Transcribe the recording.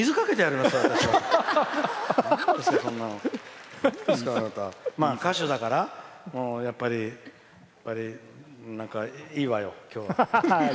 まあ、歌手だからやっぱりなんかいいわよ、今日は。